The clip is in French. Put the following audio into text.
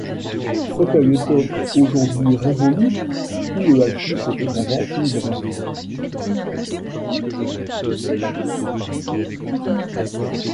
C'était l'époque, aujourd'hui révolue, où le haschich était en vente libre.